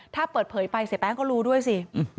ถ้าเปิดเผยไปเสียแป้งก็รู้ด้วยสิ